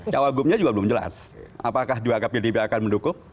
cawagumnya juga belum jelas apakah diagapnya akan mendukuk